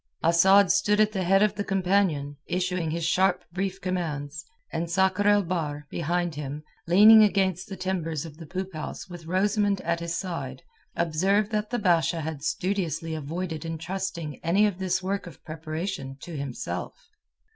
Asad stood at the head of the companion, issuing his sharp brief commands, and Sakr el Bahr, behind him, leaning against the timbers of the poop house with Rosamund at his side, observed that the Basha had studiously avoided entrusting any of this work of preparation to himself.